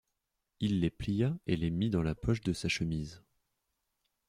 Il les plia et les mit dans la poche de sa chemise.